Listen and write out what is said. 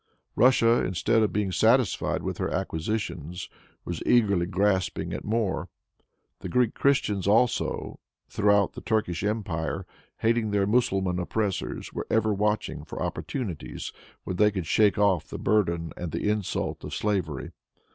Russia, instead of being satisfied with her acquisitions, was eagerly grasping at more. The Greek Christians also, throughout the Turkish empire, hating their Mussulman oppressors, were ever watching for opportunities when they could shake off the burden and the insult of slavery.